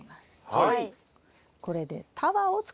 はい。